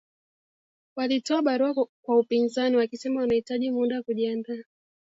Walitoa barua kwa upinzani wakisema wanahitaji muda kujiandaa